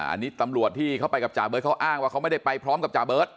อันนี้ตำรวจที่เขาไปกับจ่าเบิร์ตเขาอ้างว่าเขาไม่ได้ไปพร้อมกับจ่าเบิร์ต